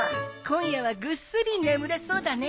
今夜はぐっすり眠れそうだね。